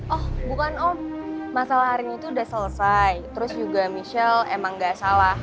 oh bukan om masalah arin itu udah selesai terus juga michelle emang gak salah